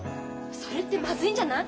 それってまずいんじゃない？